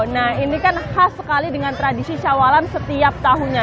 nah ini kan khas sekali dengan tradisi syawalan setiap tahunnya